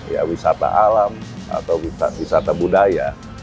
ya wisata alam atau wisata budaya